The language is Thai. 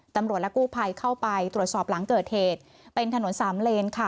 ตำรวจและกู้ภัยเข้าไปตรวจสอบหลังเกิดเหตุเป็นถนนสามเลนค่ะ